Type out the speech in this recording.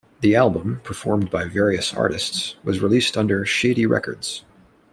The album, performed by various artists, was released under Shady Records.